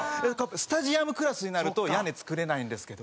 スタジアムクラスになると屋根作れないんですけど。